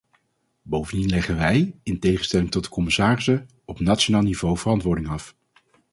Bovendien leggen wij, in tegenstelling tot de commissarissen, op nationaal niveau verantwoording af.